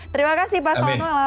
terima kasih pak soanwalem